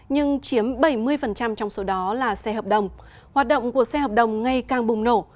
nhưng chiếm bảy mươi trong số đó là xe hợp đồng hoạt động của xe hợp đồng ngay càng bùng nổ